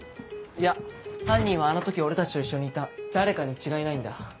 いや犯人はあの時俺たちと一緒にいた誰かに違いないんだ。